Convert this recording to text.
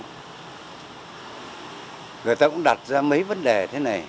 người ta cũng đặt ra mấy vấn đề thế này